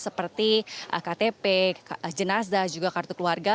seperti ktp jenazah juga kartu keluarga